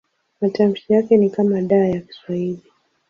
Matamshi yake ni kama D ya Kiswahili.